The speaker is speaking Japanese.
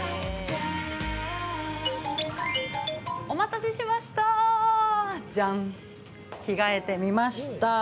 ◆お待たせしました。